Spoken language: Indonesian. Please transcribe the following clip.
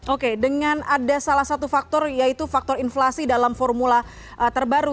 oke dengan ada salah satu faktor yaitu faktor inflasi dalam formula terbaru